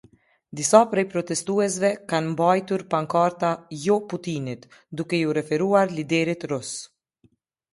Disa prej protestuesve kanë mbajtur pankarta "Jo Putinit", duke iu referuar liderit rus.